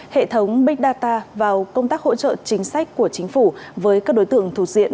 hệ thống big data vào công tác hỗ trợ chính sách của chính phủ với các đối tượng thuộc diện